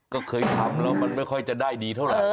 ก็เคยทำแล้วมันไม่ค่อยจะได้ดีเท่าไหร่